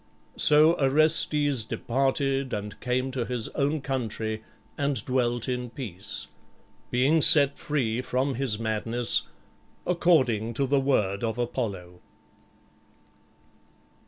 So Orestes departed and came to his own country and dwelt in peace, being set free from his madness, according to the word of Apollo.